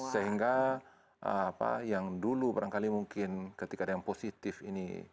sehingga apa yang dulu barangkali mungkin ketika ada yang positif ini